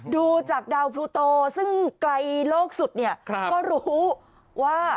ดูจากดาวพลูโตซึ่งไกลโลกสุดเนี่ยก็รู้ว่า